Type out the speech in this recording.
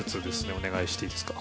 お願いしていいですか？